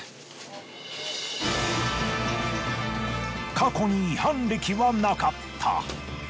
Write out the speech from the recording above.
過去に違反歴はなかった。